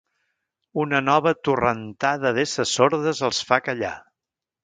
Una nova torrentada d'esses sordes els fa callar.